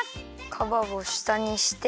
かわをしたにして。